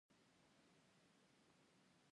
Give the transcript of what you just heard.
وروسته انتخابات وشول او هغه ماتې وخوړه.